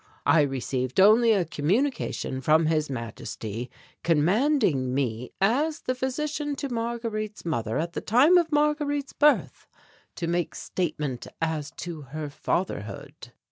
I received only a communication from His Majesty commanding me as the physician to Marguerite's mother at the time of Marguerite's birth, to make statement as to her fatherhood."